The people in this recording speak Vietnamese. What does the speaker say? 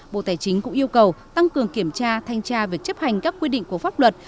bộ tài chính cũng yêu cầu tăng cường kiểm tra thanh tra việc chấp hành các quy định của pháp luật